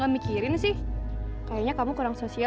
bukan nih anak yang suka